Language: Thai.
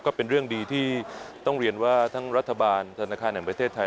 ก็เป็นเรื่องดีที่ต้องเรียนว่าทั้งรัฐบาลธนาคารแห่งประเทศไทย